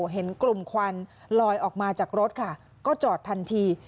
เห็นกลุ่มควันลอยออกมาจากรถค่ะก็จอดทันที